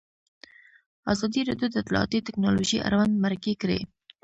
ازادي راډیو د اطلاعاتی تکنالوژي اړوند مرکې کړي.